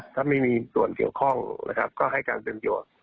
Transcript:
ถ้าไม่มีส่วนเกี่ยวข้องก็ให้การเต็มโยชน์